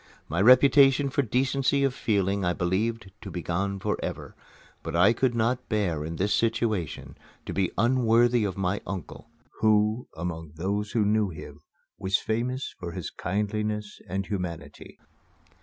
My reputation for decency of feeling I believed to be gone forever; but I could not bear, in this situation, to be unworthy of my uncle, who, among those who knew him, was famous for his kindliness and humanity.